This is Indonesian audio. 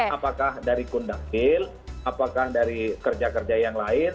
apakah dari kundakil apakah dari kerja kerja yang lain